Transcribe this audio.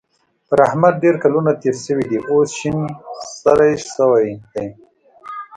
پر احمد ډېر کلونه تېر شوي دي؛ اوس شين سری شوی دی.